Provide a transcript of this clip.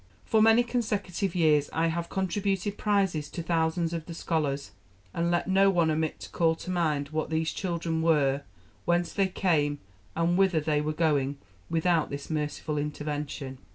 For many consecutive years I have contributed prizes to thousands of the scholars; and let no one omit to call to mind what these children were, whence they came, and whither they were going without this merciful intervention.